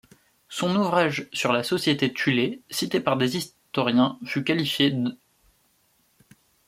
Son ouvrage sur la Société Thulé, cité par des historiens, fut qualifié d'.